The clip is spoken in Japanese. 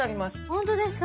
本当ですか！